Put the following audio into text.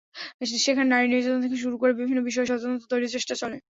সেখানে নারী নির্যাতন থেকে শুরু করে বিভিন্ন বিষয়ে সচেতনতা তৈরির চেষ্টা চলে।